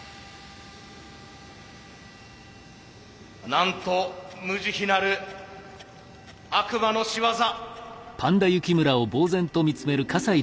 なんと無慈悲なる悪魔のしわざ。